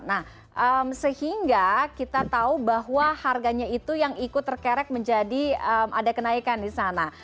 nah sehingga kita tahu bahwa harganya itu yang ikut terkerek menjadi ada kenaikan di sana